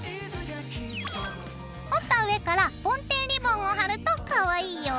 折った上からぼん天リボンを貼るとかわいいよ。